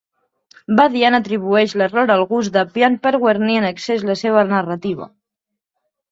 Badian atribueix l'error al gust d'Appian per guarnir en excés la seva narrativa.